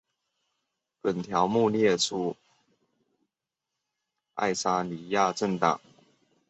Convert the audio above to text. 本条目列出爱沙尼亚政党。